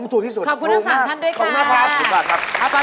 ผมถูกที่สุดถูกมากขอบคุณทั้ง๓ท่านด้วยค่ะขอบคุณมากขอบคุณมากขอบคุณมาก